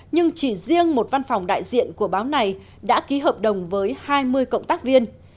nhưng chỉ riêng một văn phòng đại diện của báo này đã ký hợp đồng với hai mươi cộng tác viên